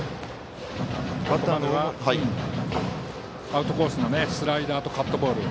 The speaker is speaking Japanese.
アウトコースのスライダーとカットボール。